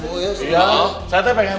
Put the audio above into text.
bisa bawa ke tembuk ya